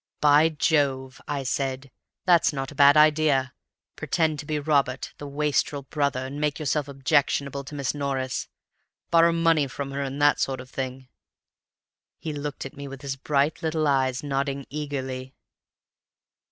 'By Jove!' I said, 'that's not a bad idea. Pretend to be Robert, the wastrel brother, and make yourself objectionable to Miss Norris. Borrow money from her, and that sort of thing.' "He looked at me, with his bright little eyes, nodding eagerly.